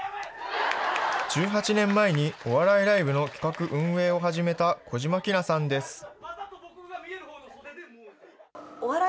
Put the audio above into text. １８年前にお笑いライブの企画・運営を始めた児島気奈さんです。